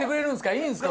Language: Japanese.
いいんすか？